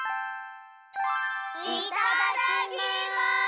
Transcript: いただきます！